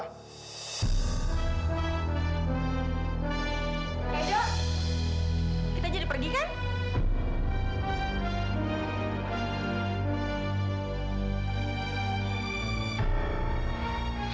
kita jadi pergi kan